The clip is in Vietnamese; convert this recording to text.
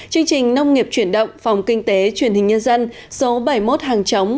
chương trình nông nghiệp chuyển động phòng kinh tế truyền hình nhân dân số bảy mươi một hàng chống